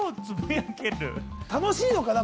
楽しいのかな？